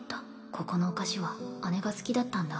ここのお菓子は義姉が好きだったんだ